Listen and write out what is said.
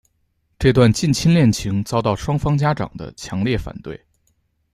这段近亲恋情遭到双方家长的强烈反对。